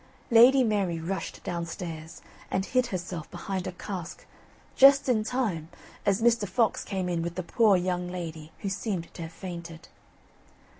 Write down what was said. Lady Mary rushed downstairs, and hid herself behind a cask, just in time, as Mr. Fox came in with the poor young lady who seemed to have fainted.